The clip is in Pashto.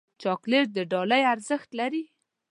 چاکلېټ د ډالۍ ارزښت لري.